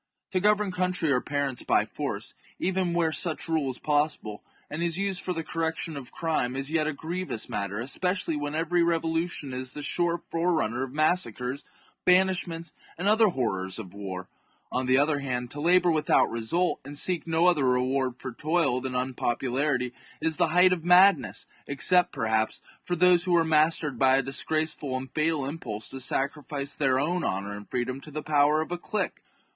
To govern country or parents by force, even where such rule is possible, and is used for the correction of crime, is yet a grievous matter, especially when every revolution is the sure forerunner of massacres, banish ments, and the other horrors of war. On the other III. IV. 124 THE JUGURTHINE WAR. CHAP, hand, to labour without result, and seek no other re in. .. ward for toil than unpopularity, is the height of mad ness, except, perhaps, for those who are mastered by a disgraceful and fatal impulse to sacrifice their own honour and freedom to the power of a clique.